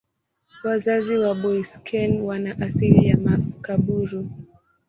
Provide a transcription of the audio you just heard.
Wazazi wa Boeseken wana asili ya Makaburu.